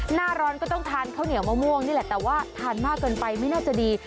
หน้าร้อนก็ต้องทานข้าวเหนียวมะม่วงนี่แหละแต่ว่าทานมากเกินไปไม่น่าจะดี